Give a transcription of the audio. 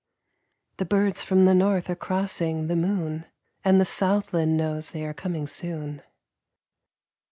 The birds from the North are crossing the moon, And the southland knows they are coming soon.